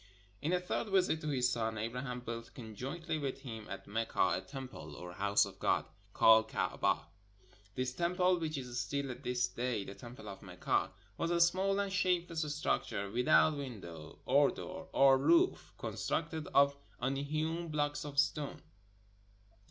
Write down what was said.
... In a third visit to his son, Abraham built conjointly with him, at Mecca, a temple, or house of God, called Kaaba. This temple, which is still at this day the tem ple of Mecca, was a small and shapeless structure with out window or door or roof, constructed of unhewn blocks of stone.